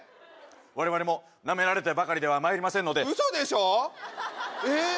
我々もなめられてばかりではまいりませんのでウソでしょえっ